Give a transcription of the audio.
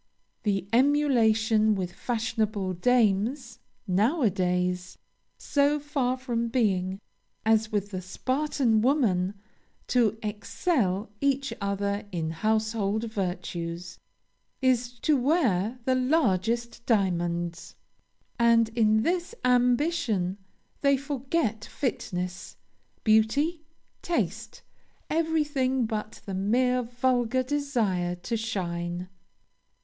The emulation with fashionable dames, now a days, so far from being, as with the Spartan women, to excel each other in household virtues, is to wear the largest diamonds. And, in this ambition, they forget fitness, beauty, taste, everything but the mere vulgar desire to shine.